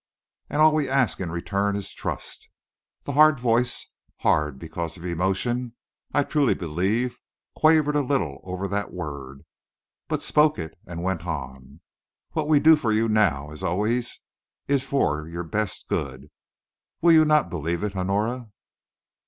And all we ask in return is trust." The hard voice, hard because of emotion, I truly believe, quavered a little over that word, but spoke it and went on. "What we do for you now, as always, is for your best good. Will you not believe it, Honora?"